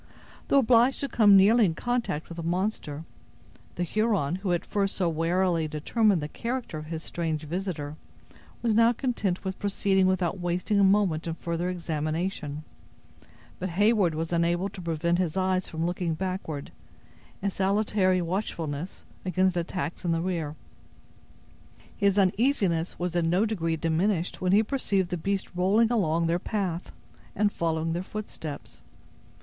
Though obliged to come nearly in contact with the monster, the Huron, who had at first so warily determined the character of his strange visitor, was now content with proceeding without wasting a moment in further examination; but Heyward was unable to prevent his eyes from looking backward, in salutary watchfulness against attacks in the rear. His uneasiness was in no degree diminished when he perceived the beast rolling along their path, and following their footsteps.